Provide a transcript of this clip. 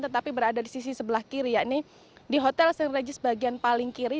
tetapi berada di sisi sebelah kiri yakni di hotel st regis bagian paling kiri